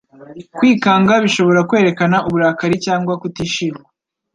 Kwikanga bishobora kwerekana uburakari cyangwa kutishima.